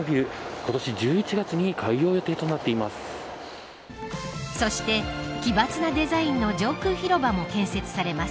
今年１１月に開業予定となっています。